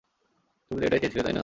তুমি তো এটাই চেয়েছিলে, তাই না?